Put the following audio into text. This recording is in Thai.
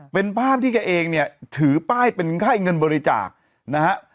เป็นภาพที่แกเองเนี่ยถือป้ายเป็นค่ายเงินบริจาคนะฮะ